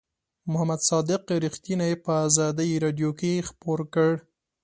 محمد صادق رښتیني په آزادۍ رادیو کې خپور کړ.